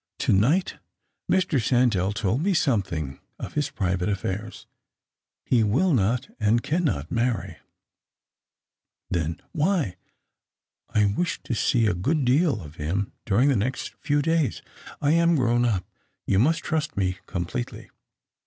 "To night Mr. Sandell told me something of his private affairs. He will not and cannot marry "" Then why "" I wish to see a sfood deal of him durins; the next few days. I am grown up. You must trust me completely."